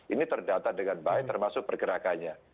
ini terdata dengan baik termasuk pergerakannya